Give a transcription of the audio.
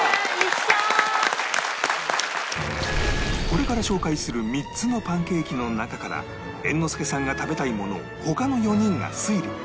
これから紹介する３つのパンケーキの中から猿之助さんが食べたいものを他の４人が推理